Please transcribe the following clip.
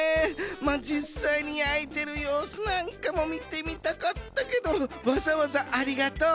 まあじっさいにやいてるようすなんかもみてみたかったけどわざわざありがとう。